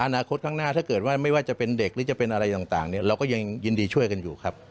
อนาคตข้างหน้าถ้าเกิดว่าไม่ว่าจะเป็นเด็กหรือจะเป็นอะไรต่างเนี่ยเราก็ยังยินดีช่วยกันอยู่ครับ